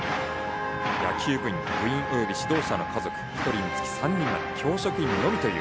野球部員および指導者の家族１人につき３人までで教職員のみと。